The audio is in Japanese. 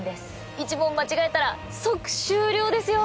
１問間違えたら即終了ですよ。